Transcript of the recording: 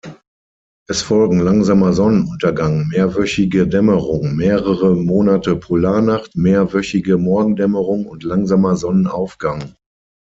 Es folgen langsamer Sonnenuntergang, mehrwöchige Dämmerung, mehrere Monate Polarnacht, mehrwöchige Morgendämmerung und langsamer Sonnenaufgang.